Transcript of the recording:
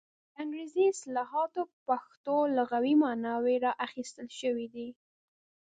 د انګریزي اصطلاحاتو پښتو لغوي ماناوې را اخیستل شوې دي.